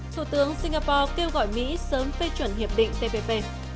thủ tướng singapore kêu gọi mỹ sớm phê chuẩn hiệp định tpp